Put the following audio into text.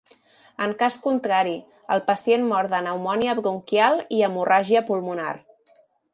En cas contrari, el pacient mor de pneumònia bronquial i hemorràgia pulmonar.